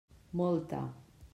Molta.